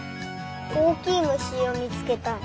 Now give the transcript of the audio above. おおきいむしをみつけたい。